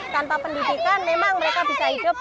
tanpa pendidikan memang mereka bisa hidup